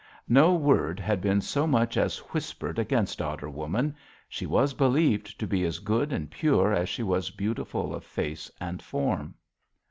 No word had been so much as whispered against Otter Woman; she was believed to be as good and pure as she was beautiful of face and form.